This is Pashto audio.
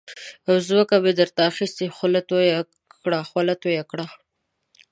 ځمکه مې در ته اخستې خوله تویه کړه.